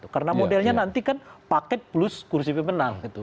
karena modelnya nanti kan paket plus kursi pemenang